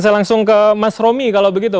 saya langsung ke mas romi kalau begitu